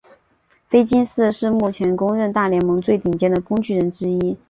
菲金斯是目前公认大联盟最顶尖的工具人之一。